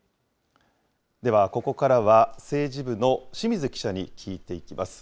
では、ここからは政治部の清水記者に聞いていきます。